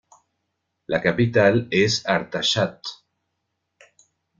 La capital es Artashat.